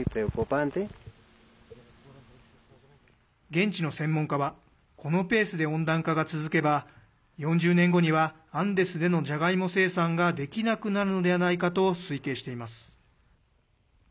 現地の専門家はこのペースで温暖化が続けば４０年後にはアンデスでのじゃがいも生産ができなくなるのではないかと推定しています。